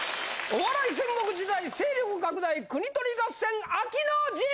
お笑い戦国時代勢力拡大国盗り合戦秋の陣！